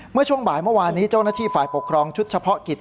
เมื่อช่วงบ่ายเมื่อวานนี้เจ้าหน้าที่ฝ่ายปกครองชุดเฉพาะกิจ